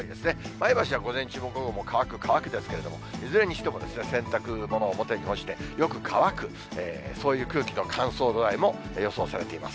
前橋は午前中も午後も乾く、乾くですけれども、いずれにしても洗濯物を表に干してよく乾く、そういう空気の乾燥度合いも予想されています。